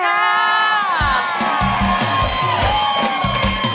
อ้าว